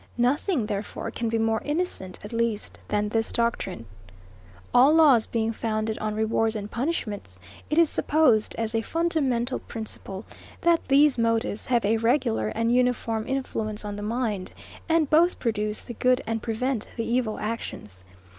Nothing, therefore, can be more innocent, at least, than this doctrine. 76. All laws being founded on rewards and punishments, it is supposed as a fundamental principle, that these motives have a regular and uniform influence on the mind, and both produce the good and prevent the evil actions.